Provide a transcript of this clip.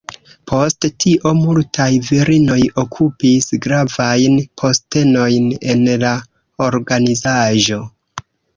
Post tio multaj virinoj okupis gravajn postenojn en la organizaĵo.